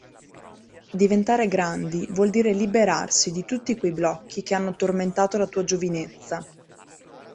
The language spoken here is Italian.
Diventare grandi vuol dire liberarsi di tutti quei blocchi che hanno tormentato la tua giovinezza.